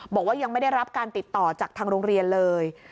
บอกว่ายังไม่ได้รับการติดต่อจากทางโรงเรียนเลย